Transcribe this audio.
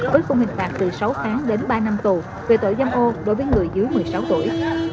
với khung hình phạt từ sáu tháng đến ba năm tù về tội dâm ô đối với người dưới một mươi sáu tuổi